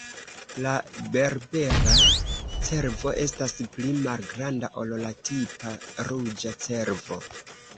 La Berbera cervo estas pli malgranda ol la tipa ruĝa cervo.